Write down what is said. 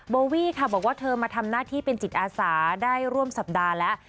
โบวี่ค่ะบอกว่าเธอมาทำหน้าที่เป็นจิตอาสาได้ร่วมสัปดาห์แล้ว